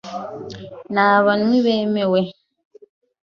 Nta banywi bemewe .